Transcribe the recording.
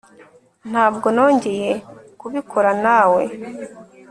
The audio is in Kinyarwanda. ntabwo nongeye kubikora nawe